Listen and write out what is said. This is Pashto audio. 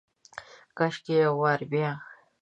کاشکي یو وارې بیا،